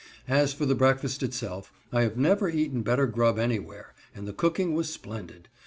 As for the breakfast itself, I have never eaten better grub anywhere, and the cooking was splendid.